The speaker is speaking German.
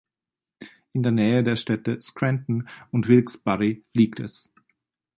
In der Nähe der Städte Scranton und Wilkes-Barre liegt es.